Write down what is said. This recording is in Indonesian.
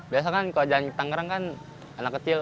biasanya kan kalau jalan ke tangerang kan anak kecil